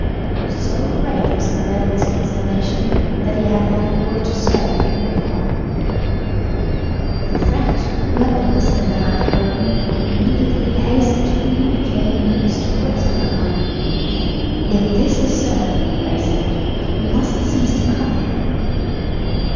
So great was Noureddin's consternation that he had not a word to say in reply. The friend, who had been listening behind the curtain, immediately hastened to communicate the news to the rest of the company. "If this is so," they said, "we must cease to come here."